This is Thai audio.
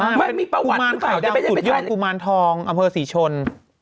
ไม่มีประวัติหรือเปล่าจะไปได้ไม่ใช่กุมารไข่ดำสุดยอดกุมารทองอำเภอศรีชน